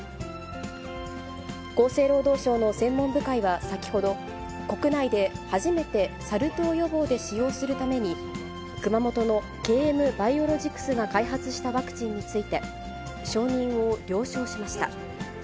厚生労働省の専門部会は先ほど、国内で初めてサル痘予防で使用するために、熊本のＫＭバイオロジクスが開発したワクチンについて、承認を了承しました。